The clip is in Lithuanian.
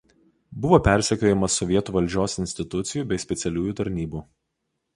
Buvo persekiojamas sovietų valdžios institucijų bei specialiųjų tarnybų.